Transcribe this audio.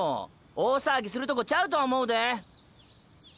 大騒ぎするとこちゃうと思うで。